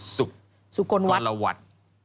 สุกลวัตร